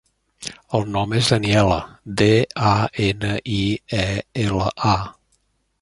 El nom és Daniela: de, a, ena, i, e, ela, a.